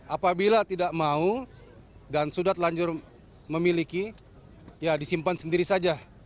apabila tidak mau dan sudah telanjur memiliki ya disimpan sendiri saja